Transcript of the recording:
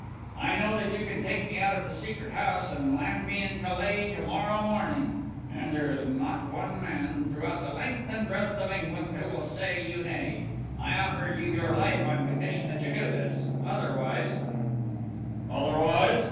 I know that you can take me out of the Secret House and land me in Calais to morrow morning, and there is not one man throughout the length and breadth of England who will say you nay. I offer you your life on condition that you do this, otherwise " "Otherwise?"